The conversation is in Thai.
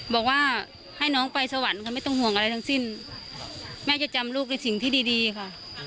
บอกว่าให้น้องไปสวรรค์ค่ะไม่ต้องห่วงอะไรทั้งสิ้นแม่จะจำลูกในสิ่งที่ดีดีค่ะ